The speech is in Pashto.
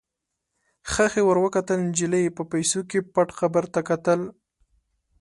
ښخې ور وکتل، نجلۍ په پیسو کې پټ قبر ته کتل.